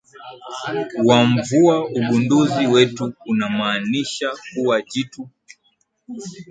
wa mvua ugunduzi wetu unamaanisha kuwa jitu